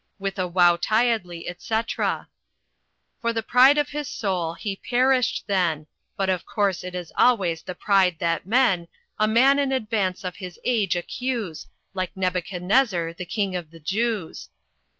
With a wowtyiddly, etc. "For the pride of his soul he perished then, But of course it is always of Pride that men A Man in Advance of his Age accuse Like Nebuchadnezzar the King of the Jews.